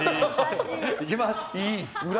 いきます。